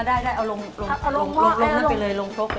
ได้เอาลงทบไปเลย